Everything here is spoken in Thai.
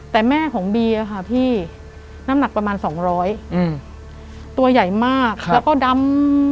แต่แม่ของบีค่ะพี่น้ำหนักประมาณ๒๐๐ตัวใหญ่มากแล้วก็ดำ